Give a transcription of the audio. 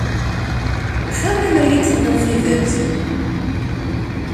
Xir lemmer i yi-d-tenniḍ tidet.